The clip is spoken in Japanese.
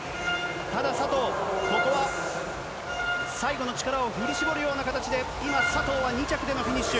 ただ佐藤、ここは最後の力を振り絞るような形で、今、佐藤は２着でのフィニッシュ。